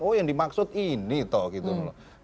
oh yang dimaksud ini toh gitu loh